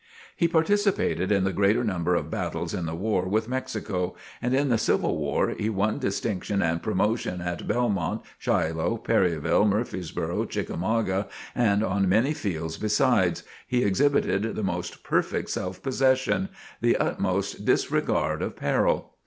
He participated in the greater number of battles in the War with Mexico; and in the civil war he won distinction and promotion at Belmont, Shiloh, Perryville, Murfreesboro, Chickamauga, and on many fields besides, he exhibited the most perfect self possession, the utmost disregard of peril.